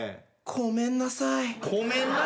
ごめんなさい。